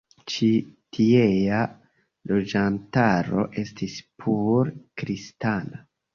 Ĉi tiea loĝantaro estis pure kristana.